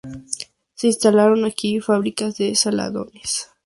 Se instalaron aquí fabricas de salazones.